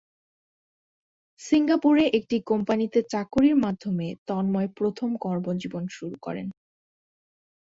সিঙ্গাপুরে একটি কোম্পানিতে চাকুরীর মাধ্যমে তন্ময় প্রথম কর্মজীবন শুরু করেন।